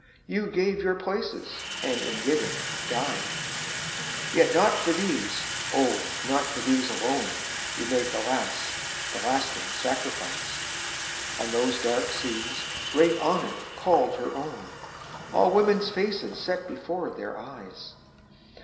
You gave your places, and in giving died ! Yet not for these, oh, not for these alone. You made the last, the lasting sacrifice ! On those dark seas great Honor called her own, All women's faces set before their eyes!